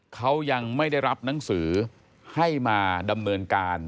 เขายังไม่ได้รับหนังสือให้มาดำเนินการ